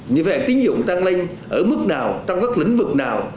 như vậy tín dụng tăng lên ở mức nào trong các lĩnh vực nào